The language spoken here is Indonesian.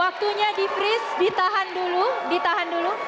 waktunya di freeze ditahan dulu